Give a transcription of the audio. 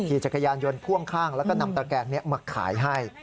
กี่จะขยานยนต์พ่วงข้างนำตะแกงมักขายให้